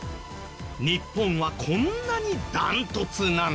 日本はこんなにダントツなんです。